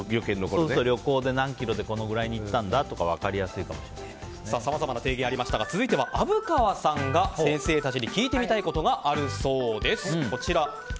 旅行で何キロでこのぐらいに行ったんだってさまざまな提言がありましたが続いては虻川さんが先生たちに聞いてみたいことがあるそうです。